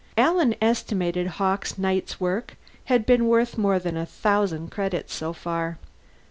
Alan estimated Hawkes' night's work had been worth more than a thousand credits so far.